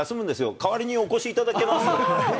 代わりにお越しいただけます？